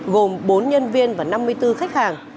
gồm bốn nhân viên và năm mươi bốn khách hàng